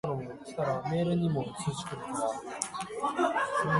Powers, one of its early settlers.